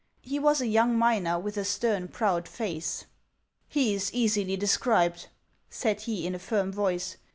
He was a young miner, with a stern, proud face. He is easily described,"* said he, in a firm voice.